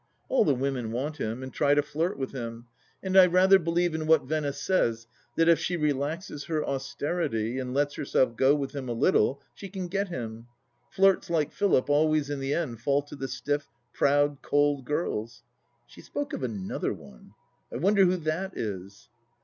All the women want him, and try to flirt with him, and I rather believe in what Venice says, that if she relaxes her austerity, and lets herself go with him a little, she can get him. Flirts like Philip always in the end fall to the stiff, proud, cold girls. She spoke of another one — I wonder who that is